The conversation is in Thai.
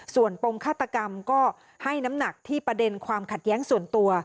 ส่วนปมฆาตกรรมก็ให้น้ำหนักที่ประเด็นความขัดแย้งส่วนตัว